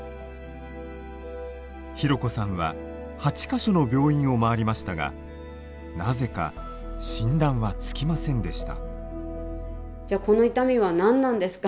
ひろこさんは８か所の病院を回りましたがなぜか診断はつきませんでした。